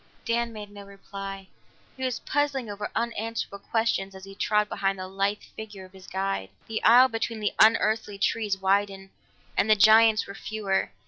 Dan made no reply; he was puzzling over unanswerable questions as he trod behind the lithe figure of his guide. The aisle between the unearthly trees widened, and the giants were fewer.